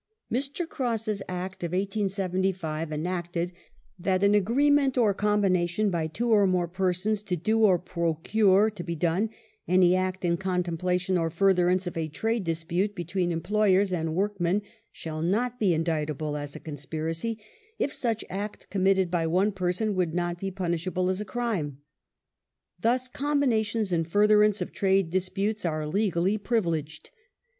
Mr. Cross's Act of 1875 enacted that " an agreement or combination by two or more persons to do or procure to be done any act in contemplation or furtherance of a trade dispute between employers and workmen shall not be indictable as a conspiracy, if such act committed by one pei son would not be punishable as a ciime". Thus combina tions in furtherance of trade disputes are legally privileged.